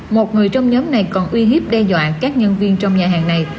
một người trong nhóm này còn uy hiếp đe dọa các nhân viên trong nhà hàng này